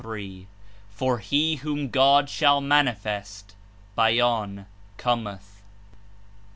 for '^He zvhom God shall matiifest'^ (Beyan) cometh